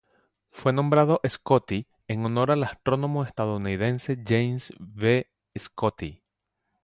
Fue nombrado Scotti en honor al astrónomo estadounidense James V. Scotti.